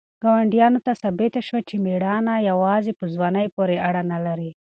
ګاونډیانو ته ثابته شوه چې مېړانه یوازې په ځوانۍ پورې اړه نه لري.